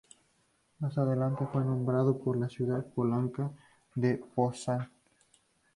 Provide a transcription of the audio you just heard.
Más adelante fue nombrado por la ciudad polaca de Poznan.